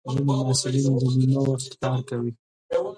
ځینې محصلین د نیمه وخت کار کوي.